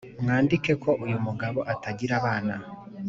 mwandike ko uyu mugabo atagira abana .